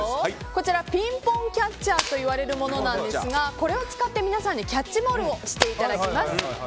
こちらピンポンキャッチャーといわれるものなんですがこれを使って皆さんにキャッチボールをしていただきます。